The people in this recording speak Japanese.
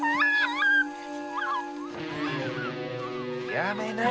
やめなよ。